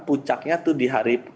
pucaknya itu di hari